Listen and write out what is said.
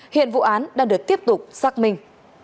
hiện vụ án đang được tiếp tục xác minh